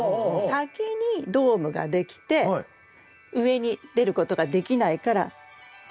先にドームができて上に出ることができないからでも新芽が増えてくる。